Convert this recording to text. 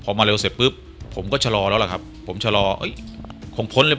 พอมาเร็วเสร็จปุ๊บผมก็จะรอแล้วครับผมจะรอผมพ้นเรียบ